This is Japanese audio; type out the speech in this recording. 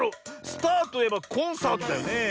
スターといえばコンサートだよねえ。